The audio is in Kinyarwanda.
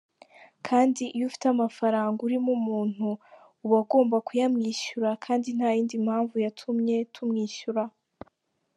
Kandi iyo ufite amafaranga urimo umuntu uba ugomba kuyamwishyura, nta yindi mpamvu yatumye tumwishyura.